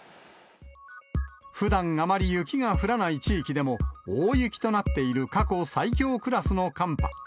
ふだんあまり雪が降らない地域でも大雪となっている過去最強クラスの寒波。